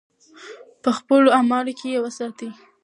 په خپلو اعمالو کې یې وساتو.